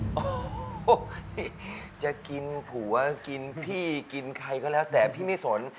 โอ้โหจะกินผัวกินพี่กินใครก็แล้วแต่พี่ไม่สน